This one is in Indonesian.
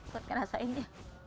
buat ngerasain ya